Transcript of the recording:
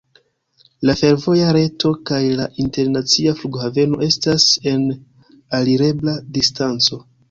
La fervoja reto kaj la internacia flughaveno estas en alirebla distanco.